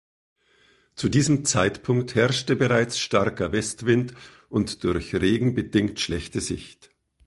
Zu diesem Zeitpunkt herrschte bereits starker Westwind und durch Regen bedingt schlechte Sicht.